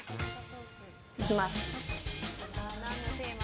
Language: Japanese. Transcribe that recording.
いきます。